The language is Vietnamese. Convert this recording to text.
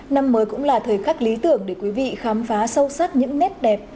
năm mới cũng là thời khắc lý tưởng để quý vị khám phá sâu sắc những nét đẹp